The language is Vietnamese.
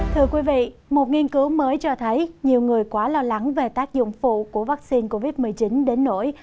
thưa quý vị một nghiên cứu mới cho thấy nhiều người quá lo lắng về tác dụng phụ của vaccine covid một mươi chín đến nổi